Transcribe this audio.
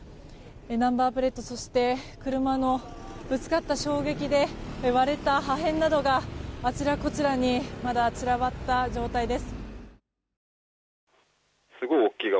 ナンバープレートそして車のぶつかった衝撃で割れた破片などがあちらこちらにまだ散らばった状態です。